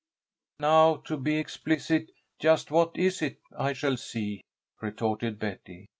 "Now, to be explicit, just what is it I shall see?" retorted Betty.